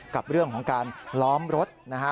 กับเรื่องของการล้อมรถนะฮะ